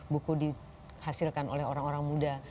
buku dihasilkan oleh orang orang muda